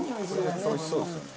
おいしそうですよね。